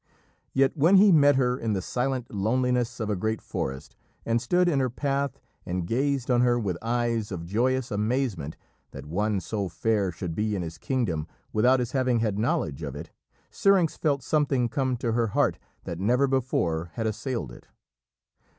Yet when he met her in the silent loneliness of a great forest and stood in her path and gazed on her with eyes of joyous amazement that one so fair should be in his kingdom without his having had knowledge of it, Syrinx felt something come to her heart that never before had assailed it.